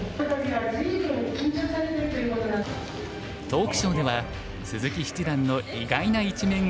トークショーでは鈴木七段の意外な一面が披露されました。